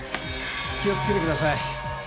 気をつけてください。